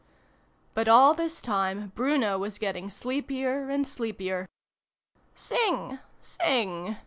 But all this time Bruno was getting sleepier and sleepier. " Sing, sing